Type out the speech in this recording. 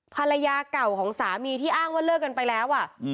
ภรรยาเก่าของสามีที่อ้างว่าเลิกกันไปแล้ว